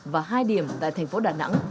và hai điểm tại thành phố đà nẵng